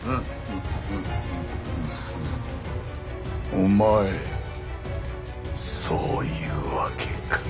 お前そういうわけか。